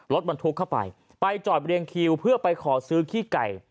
รถบรรทุกเข้าไปไปจอดเรียงคิวเพื่อไปขอซื้อขี้ไก่